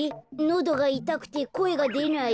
のどがいたくてこえがでない？